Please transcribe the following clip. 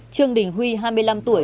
trương đình huy hai mươi năm tuổi